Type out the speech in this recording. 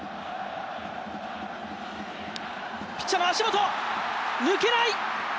ピッチャーの足元、抜けない！